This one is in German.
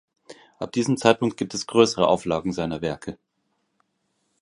Ab diesem Zeitpunkt gibt es größere Auflagen seiner Werke.